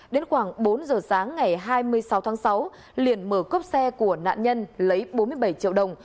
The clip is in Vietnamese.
đến khoảng bốn giờ sáng ngày hai mươi sáu tháng sáu liền mở cốp xe của nạn nhân lấy bốn mươi bảy triệu đồng